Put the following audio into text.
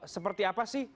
seperti apa sih